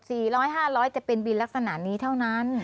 จะเป็นบิลลักษณะนี้เท่านั้น